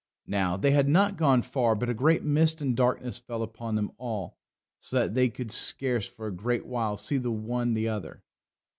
Now, they had not gone far, but a great mist and darkness fell upon them all, so that they could scarce, for a great while, see the one the other.